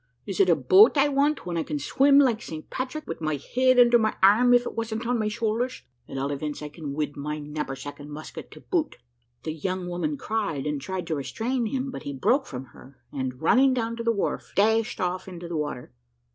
Is it a boat I want, when I can swim like St. Patrick, wid my head under my arm, if it wasn't on my shoulders? At all events, I can wid my nappersack and musket to boot." The young woman cried, and tried to restrain him, but he broke from her, and running down to the wharf, dashed off into the water.